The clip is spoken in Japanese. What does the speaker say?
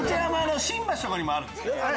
新橋とかにもあるんです